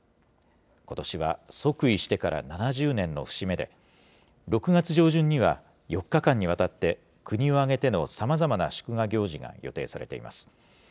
ことしは即位してから７０年の節目で、６月上旬には、４日間にわたって、国を挙げてのさまざまな祝賀行事が予定されています。